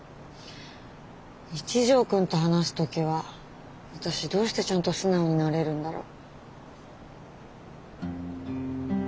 一条くんと話す時は私どうしてちゃんと素直になれるんだろう。